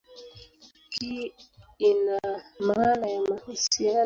Hii ina maana ya mahusiano ya dunia yote pamoja.